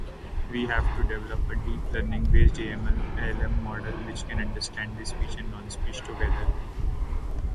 Blue is the international color of human trafficking awareness.